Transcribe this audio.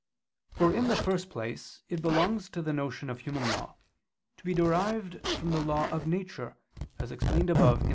For in the first place it belongs to the notion of human law, to be derived from the law of nature, as explained above (A.